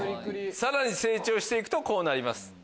さらに成長して行くとこうなります。